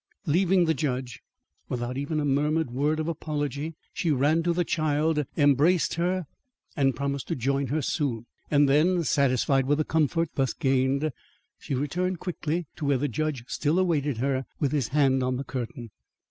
Leaving the judge, without even a murmured word of apology, she ran to the child, embraced her, and promised to join her soon; and then, satisfied with the comfort thus gained, she returned quickly to where the judge still awaited her, with his hand on the curtain.